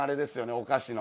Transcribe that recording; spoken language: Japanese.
お菓子の。